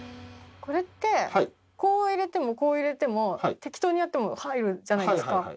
これってこう入れてもこう入れても適当にやっても入るじゃないですか。